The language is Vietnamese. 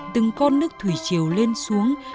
từng con nước thủy chiều lên xuống